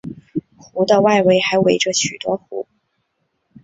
湖的外围还围着许多湖。